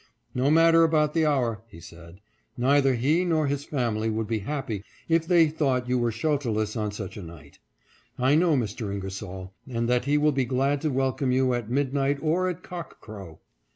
" No matter about the hour," he said ;" neither he nor his family would be happy if they thought you were shelterless on such a night. I know Mr. Inger soil, and that he will be glad to welcome you at midnight or at cock crow."